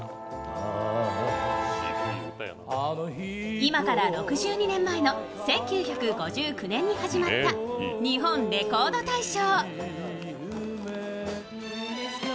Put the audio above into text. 今から６２年前の１９５９年に始まった「日本レコード大賞」。